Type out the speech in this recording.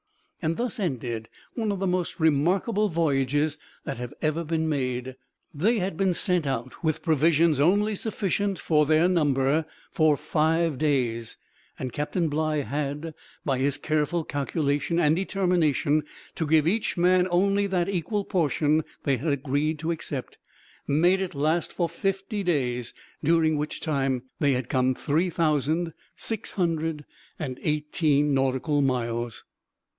Thus ended one of the most remarkable voyages that have ever been made. They had been sent out with provisions only sufficient for their number for five days, and Captain Bligh had, by his careful calculation and determination to give each man only that equal portion they had agreed to accept, made it last for fifty days, during which time they had come three thousand six hundred and eighteen nautical miles.